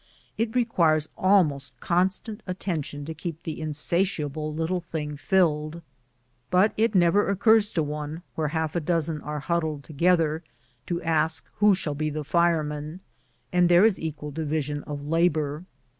It requires almost constant attention to keep the insatiable little thing filled, but it never occurs to one, where half a dozen are huddled together, to ask who shall be the fireman, and there is equal division of labor.